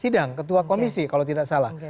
sidang ketua komisi kalau tidak salah